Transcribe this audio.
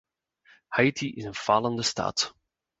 Haïti is een falende staat.